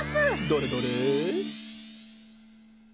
どれどれ？